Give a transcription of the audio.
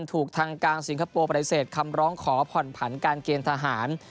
ถูกทางการสิงคโปร์ปฏิเสธคำร้องขอผ่อนผันการเกณฑ์ทหาร